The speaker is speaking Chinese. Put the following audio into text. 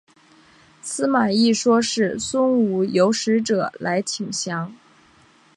司马懿说是孙吴有使者来请降。